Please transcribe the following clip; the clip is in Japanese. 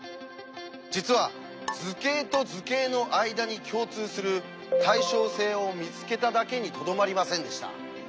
実は図形と図形の間に共通する対称性を見つけただけにとどまりませんでした。